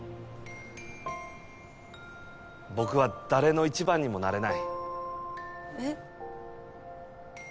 僕は誰の一番にもなれないえっ？